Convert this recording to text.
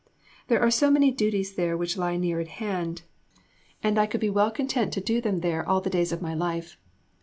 There are so many duties there which lie near at hand, and I could be well content to do them there all the days of my life.